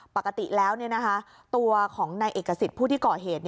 ปกติแล้วเนี่ยนะคะตัวของนายเอกสิตผู้ที่เกาะเหตุ